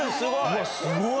うわすごい。